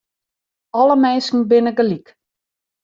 Alle minsken binne gelyk.